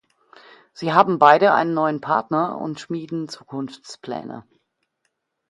Sie haben beide einen neuen Partner und schmieden Zukunftspläne.